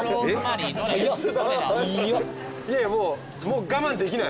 いやいやもう我慢できない。